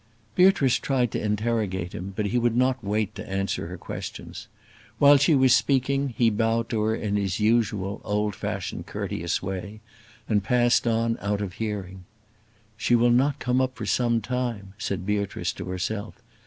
Beatrice tried to interrogate him, but he would not wait to answer her questions. While she was speaking he bowed to her in his usual old fashioned courteous way, and passed on out of hearing. "She will not come up for some time," said Beatrice to herself.